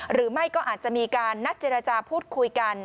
หรือไม่ก็อาจจะมีการนัดเจรจาพูดคุยกัน